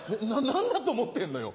何だと思ってんのよ。